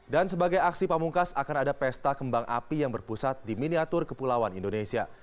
dan sebagai aksi pamungkas akan ada pesta kembang api yang berpusat di miniatur kepulauan indonesia